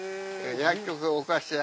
薬局お菓子屋